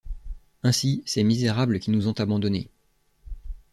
Ainsi, ces misérables qui nous ont abandonnés...